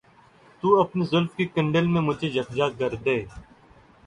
تو اپنی زلف کے کنڈل میں مجھے یکجا کر دے